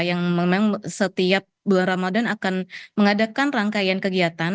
yang memang setiap bulan ramadan akan mengadakan rangkaian kegiatan